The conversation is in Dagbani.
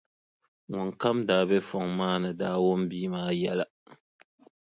Ŋun kam daa be fɔŋ maa ni daa wum bia maa yɛla.